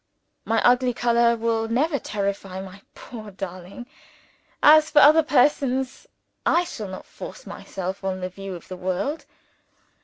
My ugly color will never terrify my poor darling. As for other persons, I shall not force myself on the view of the world.